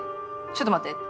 ちょっと待って。